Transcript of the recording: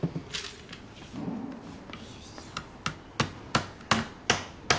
よいしょ。